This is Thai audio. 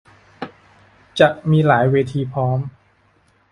จะมีหลายเวทีพร้อม